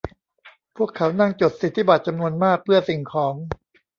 พวกเขานั่งจดสิทธิบัตรจำนวนมากเพื่อสิ่งของ